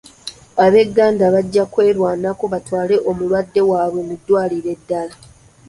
Ab'enganda bajja kwerwanako batwale omulwadde waabwe mu ddwaliro eddala.